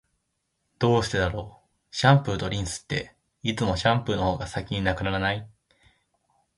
どうしてだろう、シャンプーとリンスって、いつもシャンプーの方が先に無くならない？